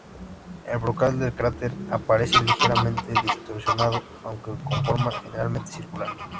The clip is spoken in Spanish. El brocal del cráter aparece ligeramente distorsionado, aunque con forma generalmente circular.